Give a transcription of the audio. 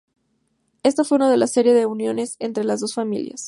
Este fue uno de una serie de uniones entre las dos familias.